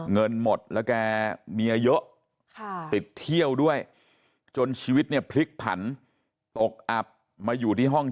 เงินหมดแล้วแกเมียเยอะติดเที่ยวด้วย